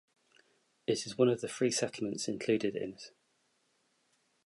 It is one of three settlements included in it.